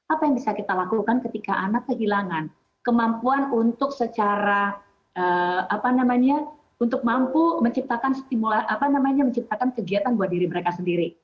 apa yang bisa kita lakukan ketika anak kehilangan kemampuan untuk secara apa namanya untuk mampu menciptakan kegiatan buat diri mereka sendiri